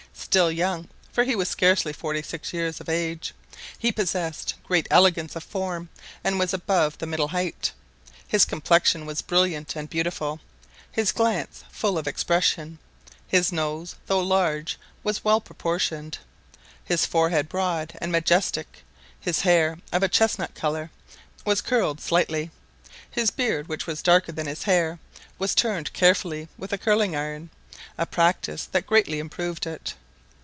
Still young—for he was scarcely forty six years of age—he possessed great elegance of form and was above the middle height; his complexion was brilliant and beautiful; his glance full of expression; his nose, though large, was well proportioned; his forehead broad and majestic; his hair, of a chestnut color, was curled slightly; his beard, which was darker than his hair, was turned carefully with a curling iron, a practice that greatly improved it.